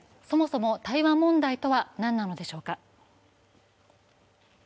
そもそも台湾問題とは何なのでしょうか。